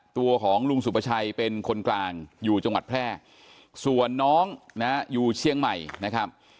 ตัวของลุงสุประชัยเป็นคนกลางอยู่จังหวัดแพร่ส่วนน้องนะฮะอยู่เชียงใหม่นะครับ